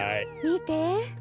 みて。